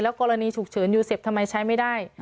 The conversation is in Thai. กรณีฉุกเฉินยูเซฟทำไมใช้ไม่ได้